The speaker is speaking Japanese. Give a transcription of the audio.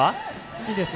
いいですね。